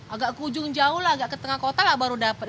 agak ke ujung jauh lah agak ke tengah kota lah baru dapat